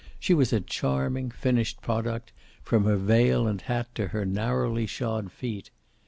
She was a charming, finished product, from her veil and hat to her narrowly shod feet.